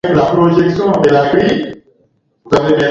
Ngombe wanaweza kupata ugonjwa kwa kuumwa na mbungo